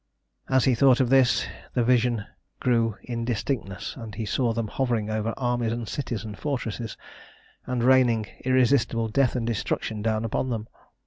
As he thought of this the vision grew in distinctness, and he saw them hovering over armies and cities and fortresses, and raining irresistible death and destruction down upon them.